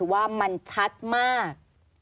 ว่ามันชัดมาก